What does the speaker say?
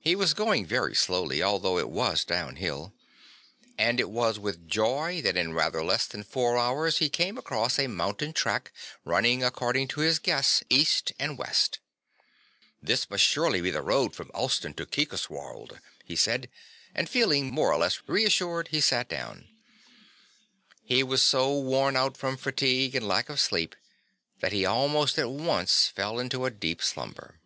He was going very slowly, although it was down hill, and it was with joy that in rather less than four hours he came across a mountain track running according to his guess east and west. "This must surely be the road from Alston to Kirkoswald," he said, and feeling more or less reassured he sat down. But he was so worn out from fatigue and lack of sleep that he almost at once fell into a deep slumber.